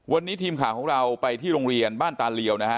วันนี้ทีมข่าวของเราไปที่โรงเรียนบ้านตาเลียวนะฮะ